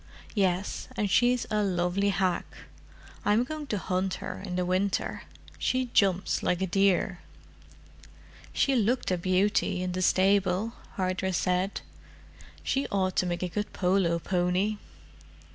"Yes—and she's a lovely hack. I'm going to hunt her in the winter: she jumps like a deer." "She looked a beauty, in the stable," Hardress said. "She ought to make a good polo pony."